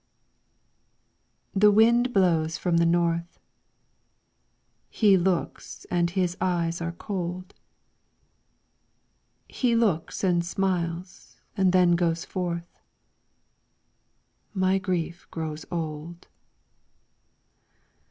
The wind blows from the North. He looks and his eyes are cold. He looks and smiles and then goes forth, My grief grows old.